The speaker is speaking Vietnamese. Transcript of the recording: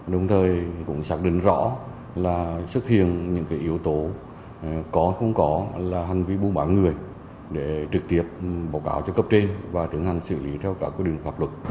đồng thời cũng xác định rõ là xuất hiện những yếu tố có không có là hành vi buôn bán người để trực tiếp báo cáo cho cấp trên và tiến hành xử lý theo các quy định pháp luật